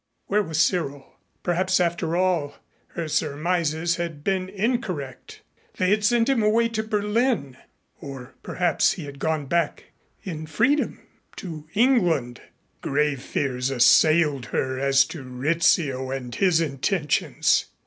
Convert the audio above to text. Where was Cyril? Perhaps after all, her surmises had been incorrect. They had sent him away to Berlin. Or perhaps he had gone back in freedom to England. Grave fears assailed her as to Rizzio and his intentions.